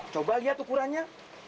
coba lihat ukurannya